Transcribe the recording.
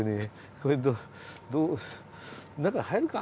これどう中入るか。